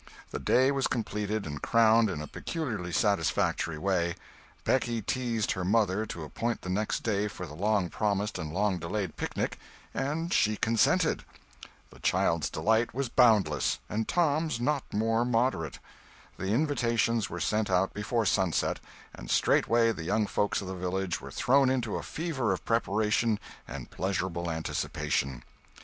The day was completed and crowned in a peculiarly satisfactory way: Becky teased her mother to appoint the next day for the long promised and long delayed picnic, and she consented. The child's delight was boundless; and Tom's not more moderate. The invitations were sent out before sunset, and straightway the young folks of the village were thrown into a fever of preparation and pleasurable anticipation.